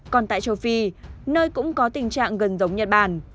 còn tại châu phi nơi cũng có tình trạng gần giống nhật bản